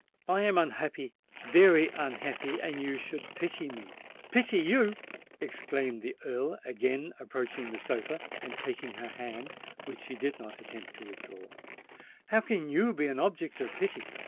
"I am unhappy—very unhappy—and you should pity me!" "Pity you!" exclaimed the Earl, again approaching the sofa, and taking her hand, which she did not attempt to withdraw: "how can you be an object of pity?